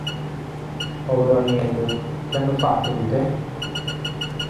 Povero agnello, che hanno fatto di te?